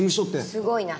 すごいな。